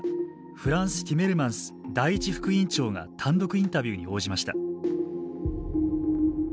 フランス・ティメルマンス第一副委員長が単独インタビューに応じました。